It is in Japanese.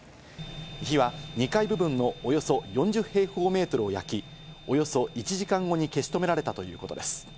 火は２階部分のおよそ４０平方メートルを焼き、およそ１時間後に消し止められたということです。